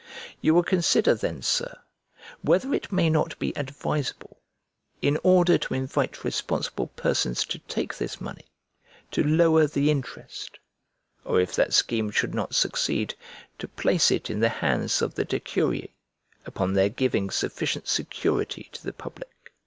You will consider then, Sir, whether it may not be advisable, in order to invite responsible persons to take this money, to lower the interest; or if that scheme should not succeed, to place it in the hands of the decurii, upon their giving sufficient security to the public.